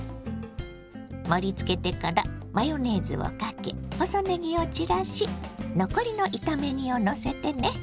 盛りつけてからマヨネーズをかけ細ねぎを散らし残りの炒め煮をのせてね。